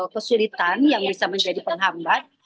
kesulitan yang bisa menjadi penghambat